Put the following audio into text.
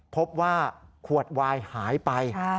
พบว่าขวดวายหายไป